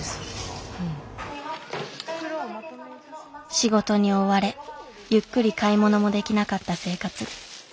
仕事に追われゆっくり買い物もできなかった生活。